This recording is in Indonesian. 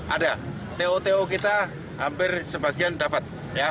ada to to kita hampir sebagian dapat